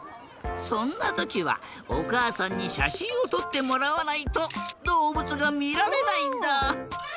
そんなときはおかあさんにしゃしんをとってもらわないとどうぶつがみられないんだ。